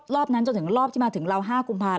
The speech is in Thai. รอบนั้นจนถึงรอบที่มาถึงเรา๕กุมภาคม